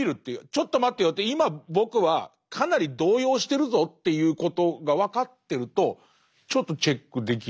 ちょっと待てよって今僕はかなり動揺してるぞということが分かってるとちょっとチェックできる。